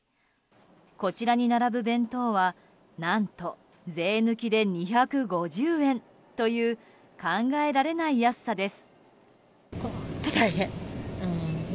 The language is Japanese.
こちらに並ぶ弁当は何と税抜きで２５０円という考えられない安さです。